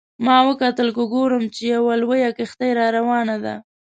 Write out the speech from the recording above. ما وکتل که ګورم چې یوه لویه کښتۍ را روانه ده.